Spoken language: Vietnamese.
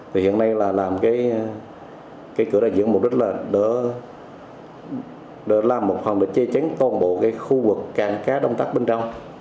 thì hiện nay là làm cái cửa đại dưỡng mục đích là để làm một phòng để chê chánh toàn bộ cái khu vực càng cá đông tắc bên trong